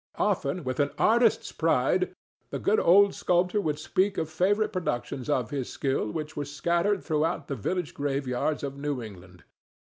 Often with an artist's pride the good old sculptor would speak of favorite productions of his skill which were scattered throughout the village graveyards of New England.